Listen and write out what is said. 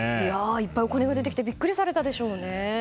いっぱいお金が出てきてビックリされたでしょうね。